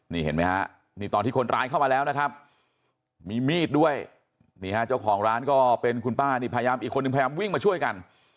นี่เห็นไหมฮะนี่ตอนที่คนร้ายเข้ามาแล้วนะครับมีมีดด้วยนี่ฮะเจ้าของร้านก็เป็นคุณป้านี่พยายามอีกคนนึงพยายามวิ่งมาช่วยกัน